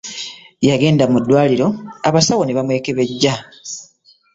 Yagenda mu ddwaliro abasawo n'ebamwekebejja.